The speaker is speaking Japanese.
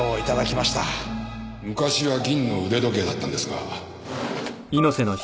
昔は銀の腕時計だったんですが。